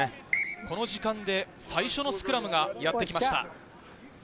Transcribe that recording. この時間で最初のスクラムがやってきました。